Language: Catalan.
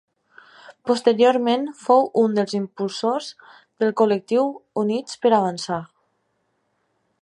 Posteriorment fou un dels impulsors del col·lectiu Units per Avançar.